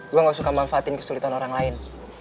gue gak suka manfaatin kesulitan orang lain